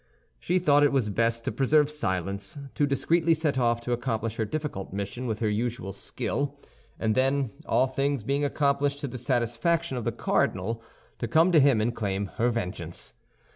She thought it was best to preserve silence, to discreetly set off to accomplish her difficult mission with her usual skill; and then, all things being accomplished to the satisfaction of the cardinal, to come to him and claim her vengeance.